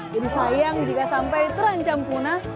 jadi sayang jika sampai terancam punah